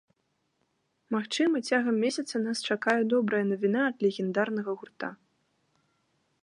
Магчыма, цягам месяца нас чакае добрая навіна ад легендарнага гурта.